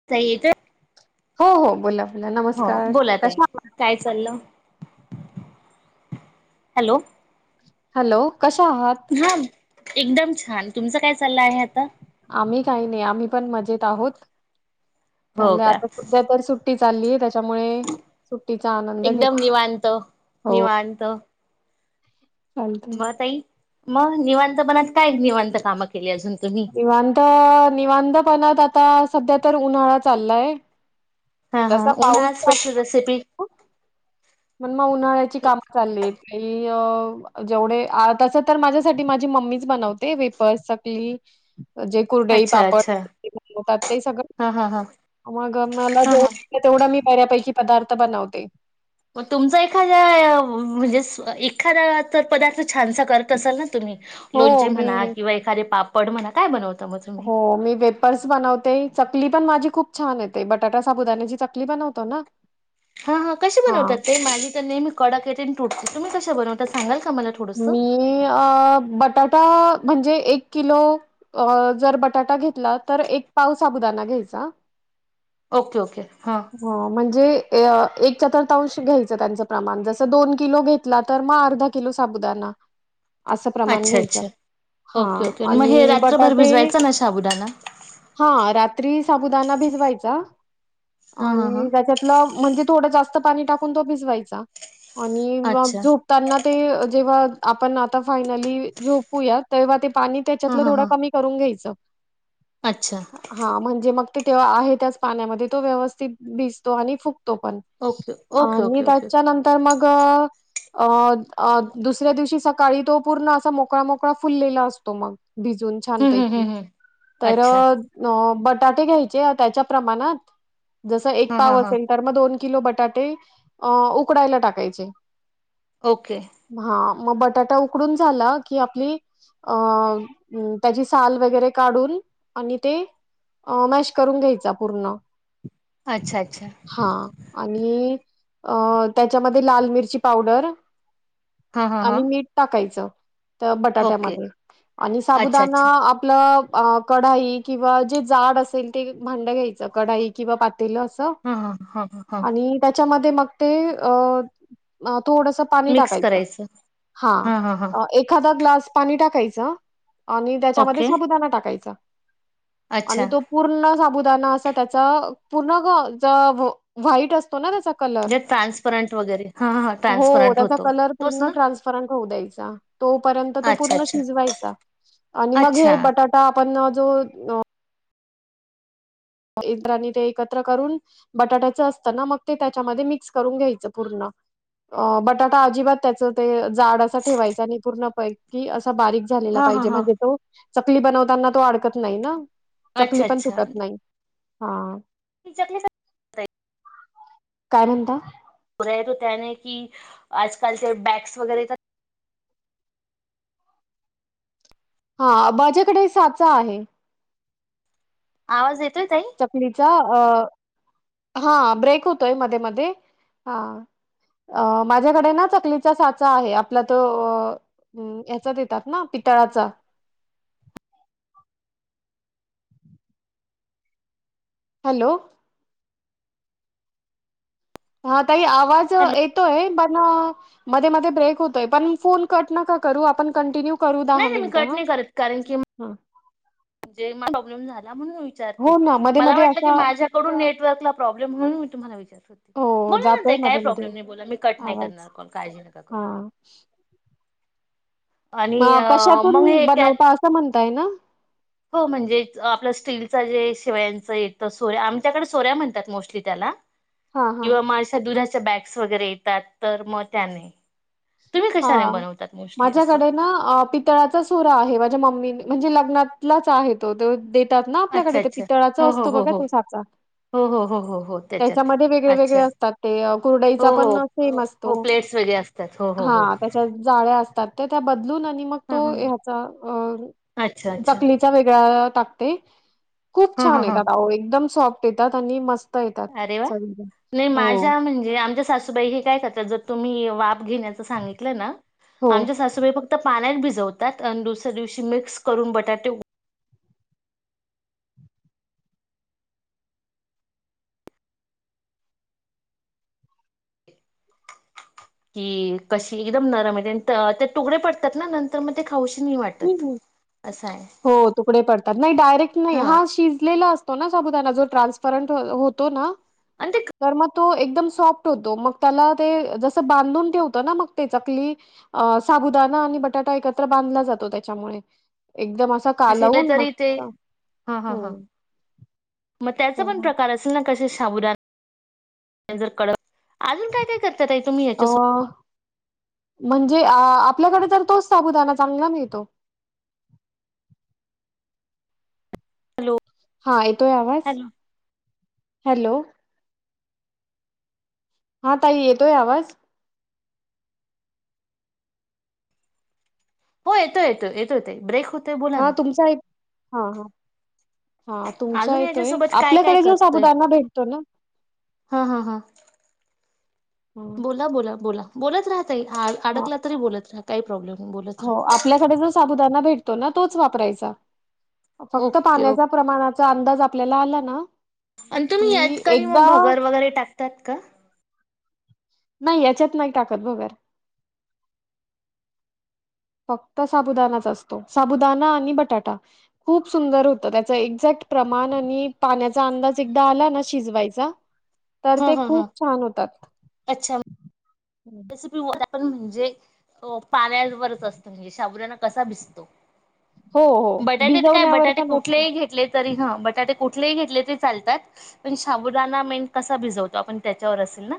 [unintelligible] हो हो बोला. बोला हो नमस्कार बोला ताई कशा आहात? काय चाललय? हॅलो. हॅलो कशा आहात? हा एकदम छान. तुमचं काय चाललं आहे आता? आम्ही काही नाही आम्ही पण मजेत आहोत. हो चाललय का आता सध्या तर सु ट्टी चालली त्याच्यामुळे सुट्टीचा आनंद घेत, एकदम निवांत हो. चालतंय. मग तई मग निवांतपणत काय निवांत कामं केली अजून तुम्ही? निवांत निवांतपणात आता सध्या तर उन्हाळा चाललाय. हा हा तसा पाऊस उन्हाळा चालू स्पेशल रेसिपी पण मग उन्हाळ्याची काम चालली आहेत आणि अ जेवढे अह तस तर माझ्यासाठी माझी मम्मीच बनवते वेपर्स, चकली जे कुरडई, अच्छा पापड, अच्छा सांडगे बनवतात ते सगळं हा हा हा मग मला हा हा [unintelligible] तेवढ मी बऱ्यापैकी पदार्थ बनवते. म तुमचा एखादा म्हणजे एखादा जर पदार्थ छानसा करत असाल ना तुम्ही हो लोणचे म्हणा मी किंवा एखादे पापड म्हणा काय बनवत हो मी वे फर्स बनवते, चकली पण माझी खूप छान येते, बटाटा साबुदाण्याची चकली बनवतो ना हा हा कशी बनवतात ते माझी तर नेहमी कडाक येते आणि तुटते तुम्ही कशा बनवताात सांगाल का मला तू मी अह बटाटा म्हणजे एक किलो अह जर बटाटा घेतला तर एक पाव साबुदाना घ्यायचा. ओके ओके हां. म्हणजे अह एक चतुर्थांश घ्यायचं त्यांच प्रमाण जस दोन किलो घेतल तर मग अर्धा किलो साबूदाना असं प्रमाण अच्छा घ्यायचं, अच्छा हा ओके ओके मग आणि हे मी रात्रभर बटाटे भिजवायचा ना साबुदाणा हा रात्री साबुदाना भिजवायचा हां हां हां आणि त्याच्यात ल म्हणजे थोड़ जास्त पाणी टाकून तो भिजवायचा आणि मग अच्छा झोपताना ते जेव्हा आपण आता फायनली झोपूया तेव्हा ते पाणी हां त्याच्यातलं हां थोडं हां कमी करून घ्यायचं. अच्छा. हा म्हणजे मग ते तेव्हा आहे त्याच पाण्यामध्ये तो व्यवस्थित भिजतो आणि फुकतो पण ओके ओके ओके आणि ओके ओके. त्याच्या नंतर मग अ - अ दुसऱ्या दिवशी सकाळी तो पूर्ण असा मोकळा -मोकळा फुललेला असतो मग भिजून हम्म हम्म छानपैकी हम्म हम्म तर अच्छा बटाटे घ्यायचे त्याच्या प्रमाणात जस एक हां हां पाव हां असेल तर मग दोन किलो बटाटे उकडायला टाकायचे. ओके. हा मग बटाटा उकडून झाला की आपली अ त्याची साल वगैरे काढून आणि ते अ मॅश करून घ्यायचा पूर्ण. अच्छा -अच्छा. हा आणि त्याच्यामध्ये लाल मिरची पावडर हां हां हां आणि मीठ टाकायचं तर ओके बटाट्यामध्ये आणि अच्छा साबुदाणा अच्छा आपलं अ कढाई किंवा जे जाड असेल ते भांडं घ्यायचं कढाई किंवा पातेलं अस हां हां हां हां हां आणि त्याच्या मधे मग थोड़स ते पाणी मिक्स टाकायचं करायचं. हां हां हां हा एखादा ग्लास पाणी टाकायचं आणि त्याच्यामध्ये ओके साबुदाणा टाकायचा अच्छा आणि तो पूर्ण साबुदाना असं त्याच पूर्ण ज व्हाईट असतो ना त्याचा कलर म्हणजे अस ट्रान्सपरंट वगैरे हा ह हो ट्रान्सपरंट त्याचा होतो. कलर तोच पूर्ण ना ट्रान्सफरंट होऊ द्यायचा. तोपर्यंत तो अच्छा पूर्ण अच्छा शिजवायचा आणि मग अच्छा हे बटाटा आपण जो इत्रांनी ते एकत्र करून बटाट्याच असत ना मग ते त्याच्यामध्ये मिक्स करून घ्यायचं पूर्ण अ बटाटा अजिबात त्याच ते जाड असा ठेवायचा आणि पूर्ण पैकि असा बारीक झालेला हा हा पाहिजे हा म्हणजे तो चकली बनवताना तो अडकत नाही ना चकली अच्छा पण अच्छा तुटत नाही हा. [inaudible] काय म्हणता? [unintelligible] त्याने की आजकालचे बॅगस वगैरे येतात हा माझ्याकडे साचा आहे. आवाज येतोय ताई? चकलीच अ हा ब्रेक होतोय मध्ये मध्ये ह अ माझ्याकडे ना चकलीचा साचा आहे आपला तो हम्म हचा येतात ना पितळाचा. हॅलो. हा ताई आवाज हॅलो येतोय पण अ मध्ये- मध्ये ब्रेक होतोय पण फोन कट नका करू आपण कंटिन्यू करू दहा नाही नाही मी मिनटं कट ह नाही हां. जेव्हा प्रॉब्मल झाला म्हणून. विचारते हो ना मध्ये मला मध्ये वाट की असा माझ्याकडून नेटवर्कला प्रॉब्लेम म्हणून मी तुम्हाला विचारते. हो म्हणून जातोय म्हणते काही मध्ये मध्ये प्रॉब्लेम नाही बोला मी कट नाही करणार आवाज कॉल काळजी नका करू. हा आणि अ मग कशातून हे कॅ बनवता असं म्हणताय ना. हो म्हणजे आपलं स्टीलचा जे शिवायांचं य सोऱ्या आमच्याकडे सोऱ्या म्हणतात मोस्टली त्याला हा हा किंवा मग अश्या दुधाच्या बॅग्स वगैरे येतात तर मग त्याने तुम्ही हा कशाने बनवतात मोस्टली असं माझ्याकडे ना पी तळाचा सुरा आहे माझ्या मम्मी म्हणजे लग्नालाच आहे तो ते त्यात ना अच्छा आपल्याकडे अच्छा पितळाचा हो हो असतो हो बघा हो तो साचा हो हो हो हो हो त्याच्यात त्याच्यामध्ये वेगळे वेगळे अच्छा असतात ते हो कुरडाईचा हो पण अ, सेम असतो हो प्लेट्स वेगळे असतात हो हो हा हो त्याच्या जाळ्या असतात ते त्या बदलून आणि मग ह तो ह ह्याचा अ अच्छा अच्छा चकलीचा वेगळा टाकते- खूप हा हा छान हा येतात अहो एकदम सॉफ्ट येतात आणि मस्त येतात अरे वा चवीला. नाही हो माझ्या म्हणजे आमच्या सासूबाई हे काय करतात जर तुम्ही वाप घेण्या सांगितलं ना.. हो आमच्या सासूबाई तुम्ही फक्त पाण्यात भिजवतात आणि दुसऱ्या दिवशी मिक्स करून बटाटे कि कशी एकदम नरम आहेेत त्या तुकडे पडतात ना नंत तर मग ते खाऊशी नाही वाटते हो तुकडे पडतात नाही डायरेक्ट नाही हा शिजलेला अस तो ना साबुदाणा जो ट्रान्सपरंट होतो ना आणि ते तर मग तो एकदम सॉफ्ट होतो मग त्याला ते जस बांधून ठेवत ना मग ते चकली अ साबुदाणा आणि बटाटा एकत्र बांधला जातो त्याच्यामुळे एकदम असा कालवून तरी ते मस्त हा हा ह हम्म मग त्याच पण प्रकार अस कसे साबूदाणा एकदम कडक, अजून काय काय करतात तुम्ही अ म्हणजे आपल्याकडे तर तोच साबुदाना चांगला मिळतो हॅलो! हा येतोय आवाज? Hello hello! हा ताई येतोय आवाज? हो येतो येतो येतो य ब्रेक होत.. हा तुमचा एक हा हा.. हा तुमचा अजून येतोय.. याच्यासोबत काय काय आपल्याकडे जो करतय साबुदांना भेटतो ना हा हा हा.. बोला बोला बोला बोलत राहा ताई हा अडकला तरी बोलत राहा काही प्रॉब्लेम नाही बोलत हो राहा.. आपल्याकडे जो साबुदाना भेटतो ना तोच वापरायचा फक्त ओके पाण्या ओके प्रमाणाचा अंदाज आपल्याला आला ना आणि तुम्ही यात की का नाही एकदा मग भगर वगैरे टाकतात का नाही याच्यात नाही टाकत भगर फक्त साबुदानाच असतो साबुदाणा आणि बटाटा खूप सुंदर होतं त्याच एक्झॅक्ट प्रमाण आणि पाण्याचा अंदाज एकदा आला ना शिजवायचा तर हा ते हा खूप हा छान होतात अच्छा [inaudible] म्हणजे पाण्यावरच असत म्हणजे साबुदाणा कसा भिसतो हो हो भिजवण्यावर बटाटे पण असत कुठलेही घेतले तरी ही बटाटे कुठलेही घेतले तेरी चालतात- पण शाबुदाना मैन कसा भिजवतो आपण त्याच्यावर असेल ना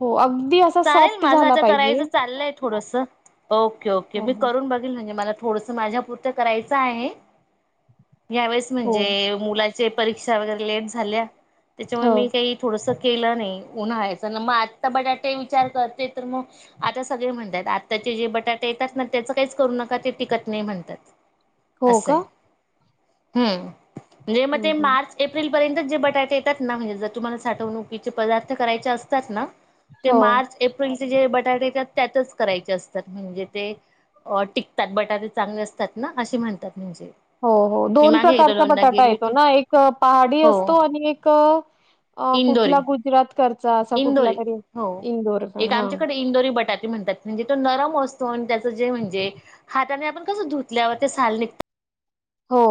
हो अगदी अस चालेल माझं आता करायचं चाललंय थोडस, ओके ओके हो मी करून बघेल म्हणजे मला थोडस माझ्यापुरतं करायचं आहे, यावेळेस हो म्हणजे मुला- परीक्षा वगैरे लेट झाल्या त्याच्यामुळे हो मी काही थोडस केलं नाही उन्हाळायचं ना मग आत्ता बटाटे विचार करते तर मग आता सगळे म्हणतात आत्ताचे जे बटाटे येतात ना त्याचं काहीच करू नका ते टिकत नाही म्हणतात ह.. असं हम्म लै हम्म, म्हणजे हम्म. मार्च एप्रिल पर्यंत जे बटाटे येतात ना म्हणजे जर तुम्हाला साठवणुकीचे पदार्थ करायचे असतात ना ते हो मार्च एप्रिलचे जे बटाटे येतात त्यातच करायचे असतात म्हणजे ते अ टिकतात बटाटे चांगले असतात ना असे म्हणतात म्हणजे हो हो मी दोन मागे एकदा प्रकारचा दोनदा बटाटा गेली येतो होती ना एक पहाडी हो असतो आणि एक अ कुठला इंदोरी गुजरात कडचा इंदोरी हो एक आमच्याकडे इंदोरी बटाटा म्हणतात म्हणजे तो नरम असतो आणि त्याचं जे म्हणजे हाताने आपण कसं धुतल्यावर ते साल निघत हो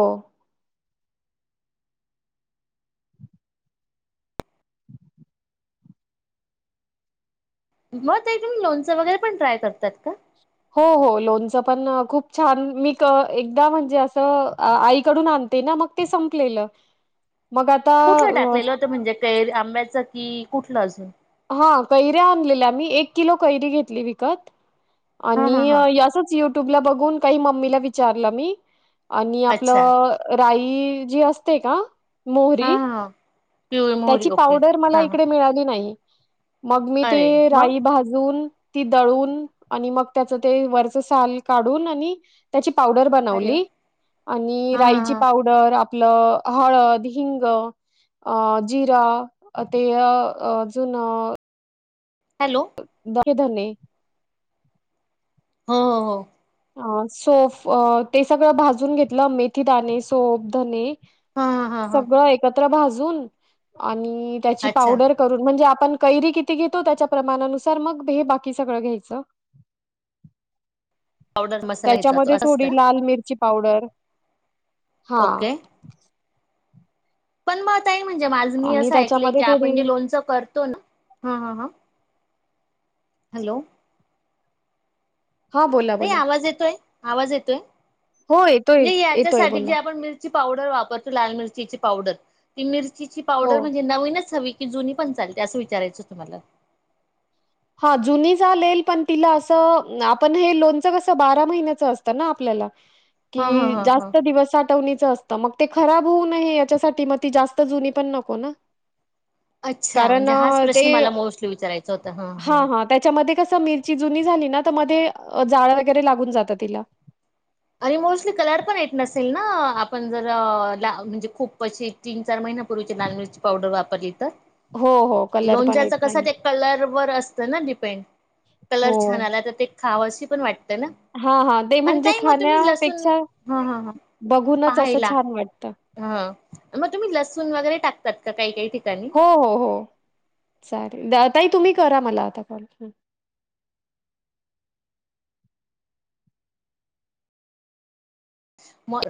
मग ते तुम्ही लोणचं वगैरे पण ट्राय करतात का हो हो लोणच पण खूप छान मी एकदा म्हणजे असं आईकडून आणते ना मग ते संपलेलं मग आ कुठलं टाकलेलं होतं म्हणजे कैर आंब्याचं की कुठलं अजून हा कैऱ्या आणलेल्या आम्ही एक किलो कैरी घेतली विकत हा हा आणि हा. याचच युट्यूबला बघून काही मम्मीला विचारलं मी आणि अच्छा. आपलं राई जी असते का हा मोहरी हा हा. पिवळी मोहरी त्याची ओके पावडर मला हा हा इकडे मिळाली नाही मग मी अरे ते मग राई भाजून ती दळून आणि मग त्याचं ते वरच साल काढून आणि त्याची पावडर अरे वा बनवली आणि हा हा राईची हा पावड डर आपलं हळद हिंग जिरा ते अ अजून हॅलो धने हो हो अ सोफ ते सगळं भाजून घेतलं मेथी दाणे सोफ धने हा हा हा हा. सगळं एकत्र भाजून आणि त्याची अच्छा पावडर करून म्हणजे आपण कैरी किती घेतो त्याच्या प्रमाणानुसार मग हे बाकी सगळं घ्यायचं पावडर मसाला ह्याचा तो त्याच्यामध्ये असंच थोडी का लाल मिरची पावडर हा ओके पण मग आता म्हणजे माझ मी आणि असं ऐकलं की त्याच्यामध्ये थोडी आपण जे लोणच करतो ना ह ह हा हॅलो हा बोला का बोला आवाज येतोय आवाज येतोय हो येतोय म्हणजे येतोय याच्यासाठी बोला जे आपण मि पावडर वापरतो लाल मिरचीची पावडर ती मिरचीची हो पावडर म्हणजे नवीनच हवी की जुनी पण चालते अस विचायचं तुम्हाला हा जुनी चालेल पण तिला असं आपण हे लोणच कसं बारा महिन्याचं असतं ना आपल्याला हा हा कि हा हा जास्त दिवस साठवणीच असत तर मग ते खराब होऊ नये याच्यासाठी मग ती जास्त जुनी पण नको ना अच्छा कारण म्हणजे हाच प्रश्न मला मोस्टली विचारायचा होत हा हा हा त्याच्यामध्ये कसं मिरची जुनी झाली ना त्या मध्ये जाळ वगैरे लागून जातं तिला आणि मोस्टली कलर पण येत नसेल ना आपण जर ला म्हणजे खूप पशी तीन चार महिन्यापूर्वीची लाल मिरची पावडर वापरली तर हो हो कलर पण येत लोणच्याच कसं नाही. ते कलर वर असतं ना डिपेंड कलर हो. छान आला तर ते खावं अशी पण वाट हा हा ते म्हणजे लसूण खाण्यापेक्षा हा हा हा बघूनच असं पाहायला छान वाटतं. हा म तुम्ही लसूण वगैरे टाकतात का काही काही ठिकाणी? हो हो हो चालेल ताई तुम्ही करा मला आता कॉल. मर.